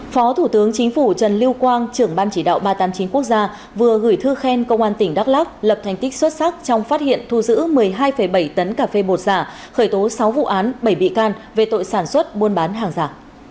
phó thủ tướng chính phủ trần lưu quang trưởng ban chỉ đạo ba trăm tám mươi chín quốc gia vừa gửi thư khen công an tỉnh đắk lắk lập thành tích xuất sắc trong phát hiện thu giữ một mươi hai bảy tấn cà phê bột giả khởi tố sáu vụ án bảy bị can về tội sản xuất buôn bán hàng giả